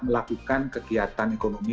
melakukan kegiatan ekonomi